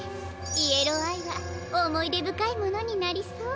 イエローアイはおもいでぶかいものになりそう。